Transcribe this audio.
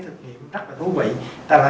thực nghiệm rất là thú vị tức là